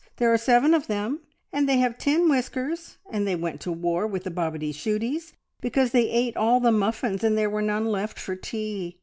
There are seven of them, and they have tin whiskers, and they went to war with the Bobityshooties because they ate all the muffins, and there were none left for tea.